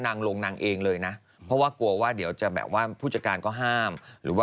อันนี้เราอยากให้เห็นบรรยากาศเท่านั้นเอง